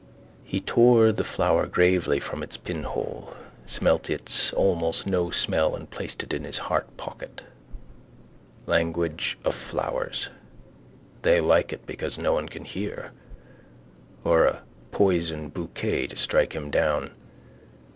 He tore the flower gravely from its pinhold smelt its almost no smell and placed it in his heart pocket. Language of flowers. They like it because no one can hear. Or a poison bouquet to strike him down.